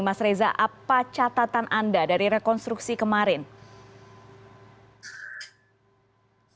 mas reza apa catatan anda dari rekonstruksi kemarin